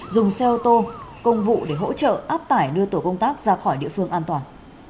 dùng xe ô tô công vụ để hỗ trợ áp tải đưa tổ công tác ra khỏi địa phương an toàn